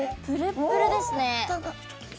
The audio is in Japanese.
プルプルですね。